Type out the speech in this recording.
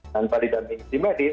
tanpa didampingi tim medis